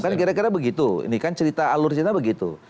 kan kira kira begitu ini kan cerita alur cerita begitu